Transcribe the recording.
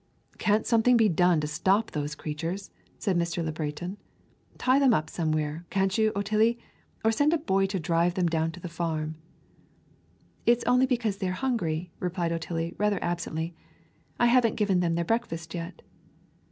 "Can't something be done to stop those creatures?" said Mr. Le Breton. "Tie them up somewhere, can't you, Otillie, or send a boy to drive them down to the farm." "It's only because they are hungry," replied Otillie rather absently. "I haven't given them their breakfast yet."